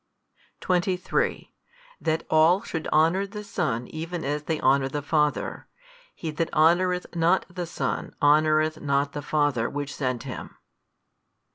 23 That all should honour the Son even as they honour the Father: he that honoureth not the Son honoureth not the Father Which sent Him.